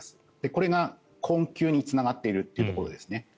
これが困窮につながっているというところですね。